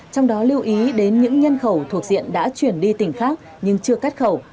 trong đó lưu ý đến những nhân khẩu thuộc diện đã chuyển đi tỉnh khác nhưng chưa cắt khẩu